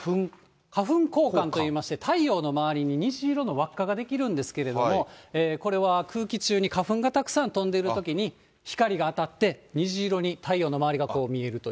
花粉こうかんといいまして、太陽の周りに虹色の輪っかが出来るんですけれども、これは空気中に花粉がたくさん飛んでいるときに、光が当たって、虹色に太陽の周りがこう見えるという。